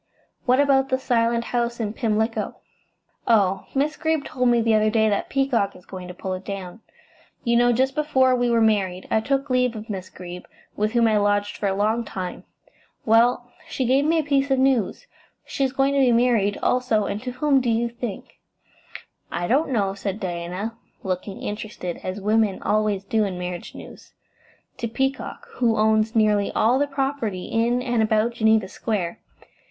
What about the Silent House in Pimlico?" "Oh, Miss Greeb told me the other day that Peacock is going to pull it down. You know, just before we were married I took leave of Miss Greeb, with whom I lodged for a long time. Well, she gave me a piece of news. She is going to be married, also, and to whom, do you think?" "I don't know," said Diana, looking interested, as women always do in marriage news. "To Peacock, who owns nearly all the property in and about Geneva Square.